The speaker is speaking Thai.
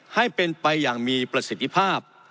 ให้เป็นไปอย่างมีประสิทธิภาพ